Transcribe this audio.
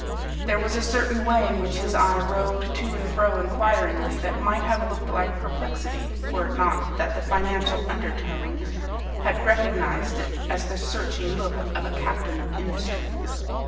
There was a certain way in which his eye roved to and fro inquiringly that might have looked like perplexity, were it not that the Financial Undertone had recognized it as the "searching look of a captain of industry."